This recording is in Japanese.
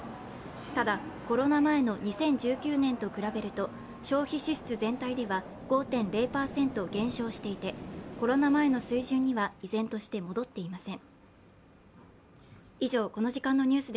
ただ、コロナ前の２０１９年と比べると消費支出全体では５．０％減少していてコロナ前の水準には依然として戻っていません。